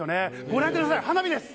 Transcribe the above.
ご覧ください、花火です。